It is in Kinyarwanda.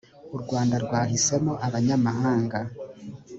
u rwanda rwahisemo abanyamahanga